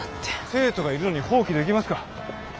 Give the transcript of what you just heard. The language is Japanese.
生徒がいるのに放棄できますか。